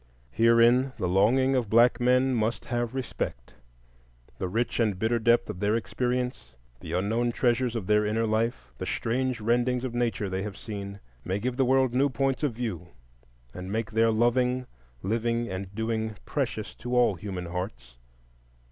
Herein the longing of black men must have respect: the rich and bitter depth of their experience, the unknown treasures of their inner life, the strange rendings of nature they have seen, may give the world new points of view and make their loving, living, and doing precious to all human hearts.